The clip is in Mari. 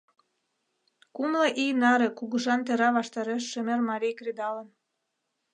Кумло ий наре кугыжан тӧра ваштареш шемер марий кредалын.